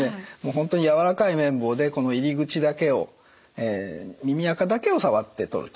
本当に柔らかい綿棒で入り口だけを耳あかだけ触って取ると。